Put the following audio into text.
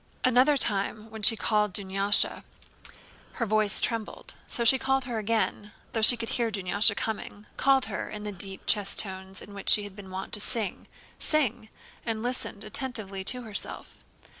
Another time when she called Dunyásha her voice trembled, so she called again—though she could hear Dunyásha coming—called her in the deep chest tones in which she had been wont to sing, and listened attentively to herself.